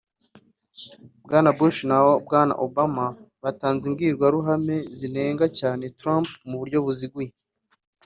Bwana Bush na Bwana Obama batanze imbwirwaruhame zinenga cyane Trump mu buryo buziguye